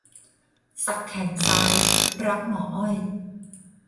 สักแขนซ้าย 'รักหมออ้อย'